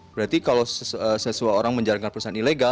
berarti kalau seseorang menjalankan perusahaan ilegal